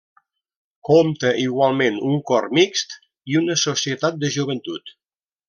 Compta igualment un cor mixt i una societat de Joventut.